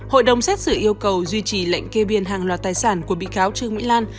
hội đồng xét xử yêu cầu duy trì lệnh kê biên hàng loạt tài sản của bị cáo trương mỹ lan